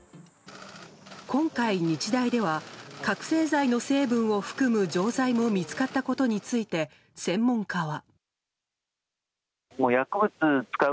今回、日大では覚醒剤の成分を含む錠剤も見つかったことについて専門家は。